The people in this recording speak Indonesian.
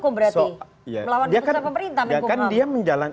melawan tentukan pemerintah menkumham